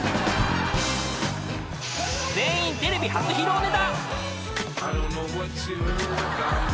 ［全員テレビ初披露ネタ］